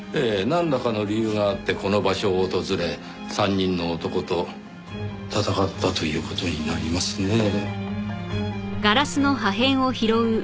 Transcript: なんらかの理由があってこの場所を訪れ３人の男と戦ったという事になりますねぇ。